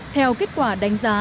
theo kết quả đánh giá